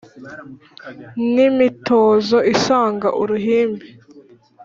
n ' imitozo isaga uruhimbi,